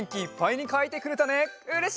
うれしいな！